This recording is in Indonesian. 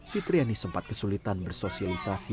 fitriani sempat kesulitan bersosialisasi